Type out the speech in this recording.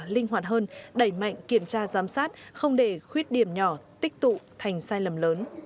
linh hoạt hơn đẩy mạnh kiểm tra giám sát không để khuyết điểm nhỏ tích tụ thành sai lầm lớn